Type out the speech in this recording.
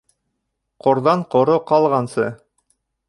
Ҡорҙан ҡоро ҡалғансы